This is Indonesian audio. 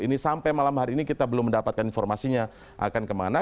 ini sampai malam hari ini kita belum mendapatkan informasinya akan kemana